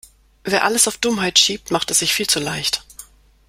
Wer alles auf Dummheit schiebt, macht es sich viel zu leicht.